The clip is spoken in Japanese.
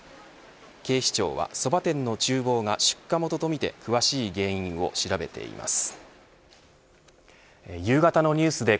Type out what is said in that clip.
警視庁はそば店の厨房が出火元と見て詳しい原因を調べています。